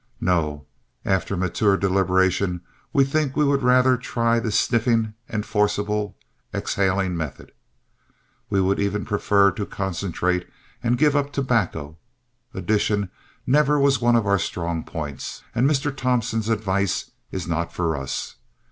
No, after mature deliberation we think we would rather try the sniffing and forcibly exhaling method. We would even prefer to concentrate and give up tobacco. Addition never was one of our strong points, and Mr. Thompson's advice is not for us.